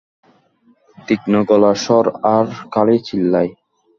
তীক্ষ্ণ গলার স্বর আর খালি চিল্লায়।